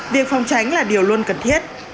việc phòng tránh là điều luôn cần thiết